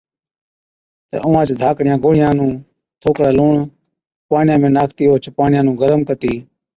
تہ اُونهانچ ڌاڪڙِيان گوڙهِيان نُون ٿوڪڙَي لُوڻ پاڻِيان ۾ ناکتِي اوهچ پاڻِيان نُون گرم ڪتِي